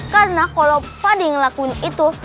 karena kalau pak de yang ngelakuin itu